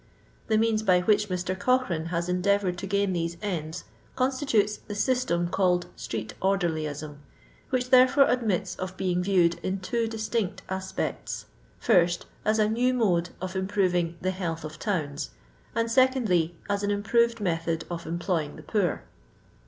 The means by which Mr. Cochrane has endea voured to gain these ends constitutes the system called Street Orderlyism, which therefore admits of being viewed in two distinct aspects — ^first, as a new mode of improving " the health of towns," and, secondly, as an improved method of employ* ing the poor.